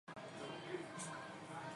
最初的一座圣殿是嘉德兰圣殿。